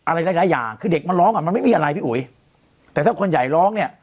อะไรหลายอย่างคือเด็กมันร้องอ่ะมันไม่มีอะไรพี่อุ๋ยแต่ถ้าคนใหญ่ร้องเนี่ย